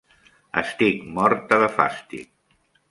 Estic morta de fàstic.